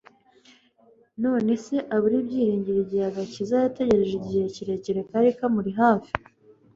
None se abure ibyiringiro igihe agakiza yategereje igihe kirekire kari kamuri hafi?